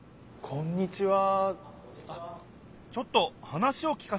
こんにちは。